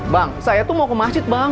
bang saya tuh mau ke masjid bang